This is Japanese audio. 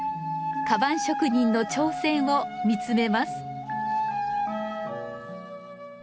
カバン職人の挑戦を見つめます。